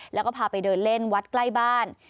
แล้วก็พาไปเดินเล่นวัดใกล้บ้าน